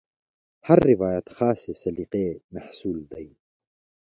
هر روایت خاصې سلیقې محصول دی.